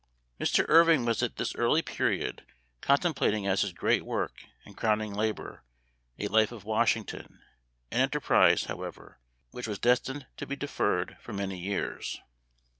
Mr. Irving was at this early period contem plating as his great work and crowning labor, a life of Washington, an enterprise, however, which was destined to be deferred for many years.